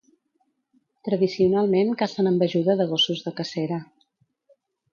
Tradicionalment cacen amb ajuda de gossos de cacera.